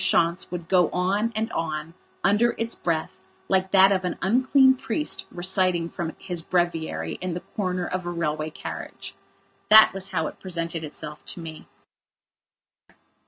Schontz would go on and on under its breath like that of an unclean priest reciting from his breviary in the corner of a railway carriage. That was how it presented itself to me.